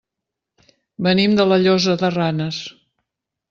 Venim de la Llosa de Ranes.